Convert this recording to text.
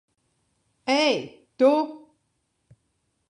Ei, tu!